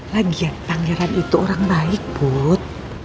lagian pangeran itu orang baik bud